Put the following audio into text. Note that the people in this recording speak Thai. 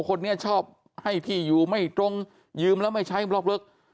คนนี้ชอบให้ที่อยู่ไม่ตรงยืมแล้วไม่ใช้บล็อกเลิก